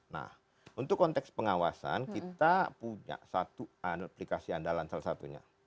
nah untuk konteks pengawasan kita punya satu aplikasi andalan salah satunya